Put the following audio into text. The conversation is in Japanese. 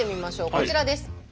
こちらです。